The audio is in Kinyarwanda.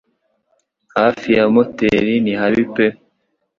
hafi ya moteri ni habi pe